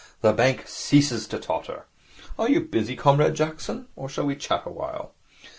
The bank ceases to totter. Are you busy, Comrade Jackson, or shall we chat awhile?'